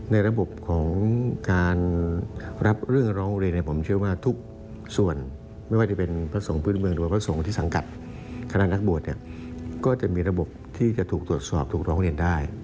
ในระบบของการรับเรื่องร้องอุเรน